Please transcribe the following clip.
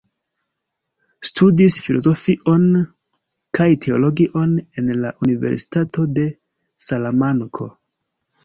Studis filozofion kaj teologion en la Universitato de Salamanko.